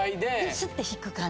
すって引く感じ。